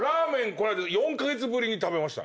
この間４カ月ぶりに食べました。